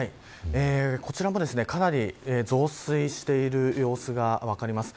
こちらも、かなり増水している様子が分かります。